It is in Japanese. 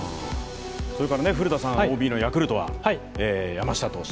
古田さん、ＯＢのヤクルトは山下投手。